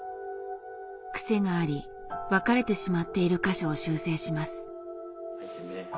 クセがあり分かれてしまっている箇所を修正します。